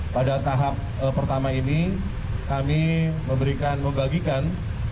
pada tahap pertama ini kami memberikan membagikan